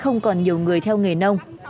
không còn nhiều người theo nghề nông